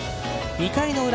２回の裏